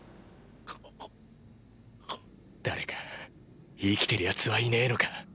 誰か生きてる奴はいねぇのか？